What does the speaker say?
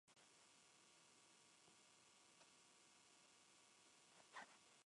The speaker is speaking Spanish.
Nació en la India, de padres británicos, Phoebe Melinda y William Patrick O'Callaghan.